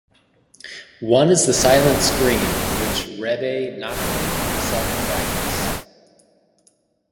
One is the "silent scream," which Rebbe Nachman himself practiced.